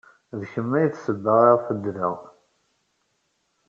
D kemm ay d ssebba ayɣef ddreɣ.